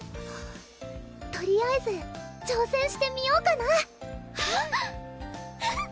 とりあえず挑戦してみようかなあっうん！